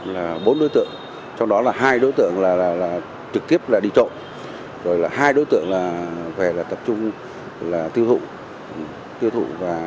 là bốn đối tượng trong đó là hai đối tượng là trực tiếp là đi trộm rồi là hai đối tượng là về là tập trung là tiêu thụ tiêu thụ